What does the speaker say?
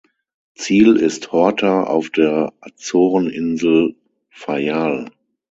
Ziel ist Horta auf der Azoreninsel Faial.